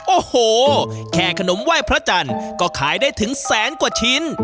โอ้โหแค่ขนมไหว้พระจันทร์ก็ขายได้ถึงแสนกว่าชิ้น